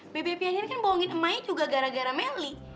bebe pianyan kan bohongin emaknya juga gara gara melih